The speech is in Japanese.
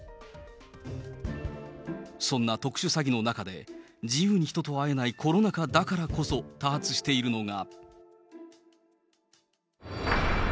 そんな特殊詐欺の中で、自由に人と会えないコロナ禍だからこそ多発しているのが。